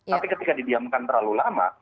tapi ketika didiamkan terlalu lama